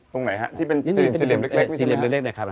ตรงไหนฮะที่เป็นสินเล็มเล็กนี่ใช่ไหมครับสินเล็มเล็กนี่ครับ